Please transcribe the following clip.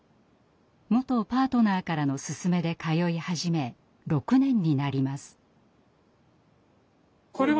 元パートナーからの勧めで通い始め６年になります。